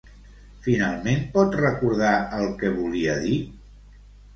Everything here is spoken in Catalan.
Finalment pot recordar el que volia dir?